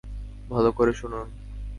ভালো করে শুনুন।